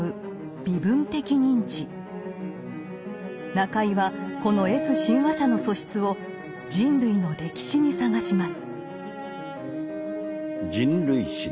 中井はこのＳ親和者の素質を人類の歴史に探します。